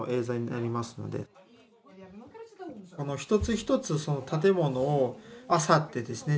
この一つ一つ建物をあさってですね